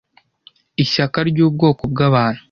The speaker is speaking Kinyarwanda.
Ishyaka ryubwoko bwabantu,